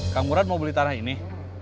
kang urat mau beli tanah ini